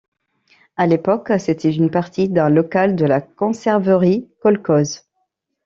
À l'époque c'était une partie d'un local de la conserverie kolkhoze.